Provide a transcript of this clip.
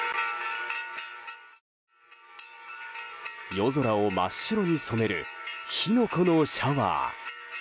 夜空を真っ白に染める火の粉のシャワー。